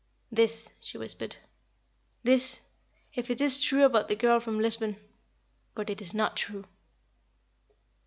"This," she whispered, "this if it is true about the girl from Lisbon; but it is not true."